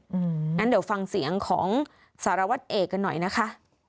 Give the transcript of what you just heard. งั้นเดี๋ยวฟังเสียงของสารวัตรเอกกันหน่อยนะคะ